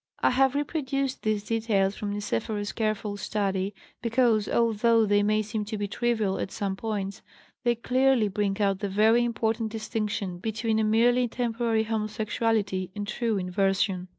I have reproduced these details from Niceforo's careful study because, although they may seem to be trivial at some points, they clearly bring out the very important distinction between a merely temporary homosexuality and true inversion.